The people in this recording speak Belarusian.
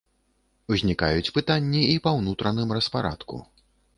Узнікаюць пытанні і па ўнутраным распарадку.